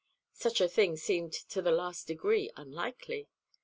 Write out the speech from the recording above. Such a thing seemed to the last degree unlikely.